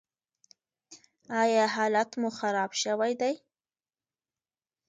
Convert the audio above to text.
ایا حالت مو خراب شوی دی؟